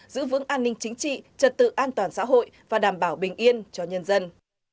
giữ vững an ninh chính trị trật tự an toàn xã hội và đảm bảo bình yên cho nhân dân